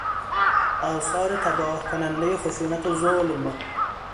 آثار تباهکنندهی خشونت و ظلم